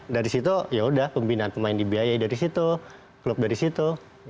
dari situ yaudah pembinaan pemain dibiayai dari situ klub dari situ